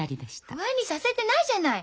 不安にさせてないじゃない。